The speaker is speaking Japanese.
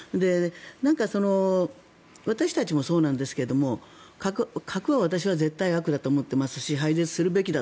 何か、私たちもそうなんですけど核を私は絶対悪だと思ってますし廃絶するべき。